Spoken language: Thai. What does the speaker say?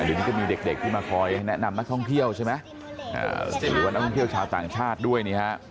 เดี๋ยวนี้ก็มีเด็กที่มาคอยแนะนำนักท่องเที่ยวใช่ไหมหรือว่านักท่องเที่ยวชาวต่างชาติด้วยนี่ฮะ